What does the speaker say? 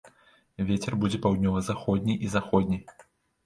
Вецер будзе паўднёва-заходні і заходні.